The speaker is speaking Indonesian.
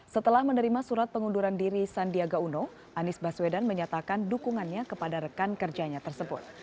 setelah menerima surat pengunduran diri sandiaga uno anies baswedan menyatakan dukungannya kepada rekan kerjanya tersebut